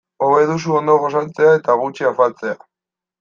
Hobe duzu ondo gosaltzea eta gutxi afaltzea.